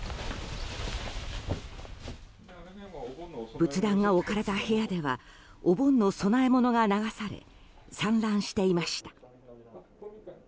仏壇が置かれた部屋ではお盆の供え物が流され散乱していました。